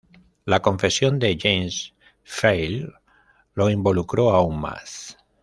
La confesión de James Files lo involucro aún más.